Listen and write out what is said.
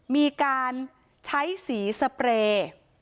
มีการใช้สีสเปรย์